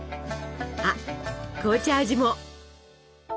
あっ紅茶味も！